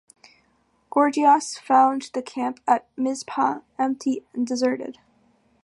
Gorgias found the camp at Mizpah empty and deserted.